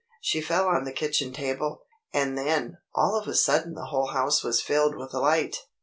She fell on the kitchen table. And then, all of a sudden the whole house was filled with light.